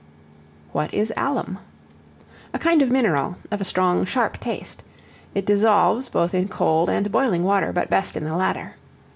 What is Alum? A kind of mineral, of a strong, sharp taste. It dissolves both in cold and boiling water, but best in the latter.